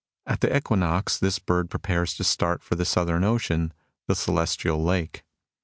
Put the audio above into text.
At the equinox, this bird prepares to start for the southern ocean, the Celestial Lake.